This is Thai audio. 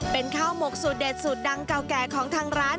เป็นข้าวหมกสูตรเด็ดสูตรดังเก่าแก่ของทางร้าน